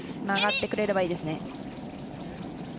曲がってくれればいいですね。